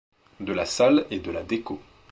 De la salle et de la déco.